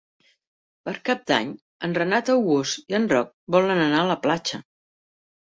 Per Cap d'Any en Renat August i en Roc volen anar a la platja.